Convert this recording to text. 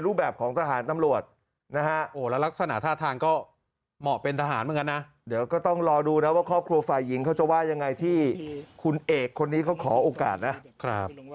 รูปแบบของทหารตำรวจนะแล้วลักษณะท่าทางก็เหมาะเป็นทหาร